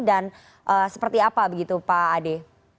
dan seperti apa begitu pak ade